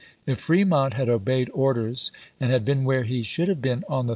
If Fremont had obeyed orders and had been where he should have been on 1862.